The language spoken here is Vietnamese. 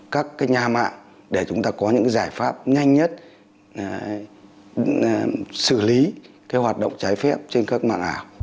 các nhà mạng để chúng ta có những giải pháp nhanh nhất xử lý hoạt động trái phép trên các mạng ảo